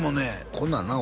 こんなんな